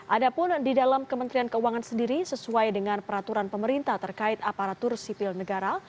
ada pun di dalam kementerian keuangan sendiri sesuai dengan peraturan pemerintah terkait aparatur sipil negara